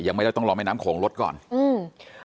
ยังไม่ได้ต้องรอแม่น้ำโขงลดก่อนอืม